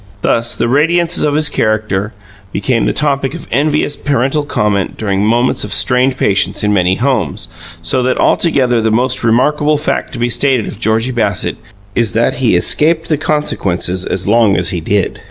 Thus, the radiance of his character became the topic of envious parental comment during moments of strained patience in many homes, so that altogether the most remarkable fact to be stated of Georgie Bassett is that he escaped the consequences as long as he did.